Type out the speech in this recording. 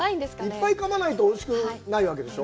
いっぱいかまないとおいしくないわけでしょ？